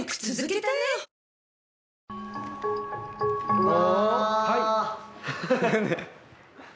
うわ。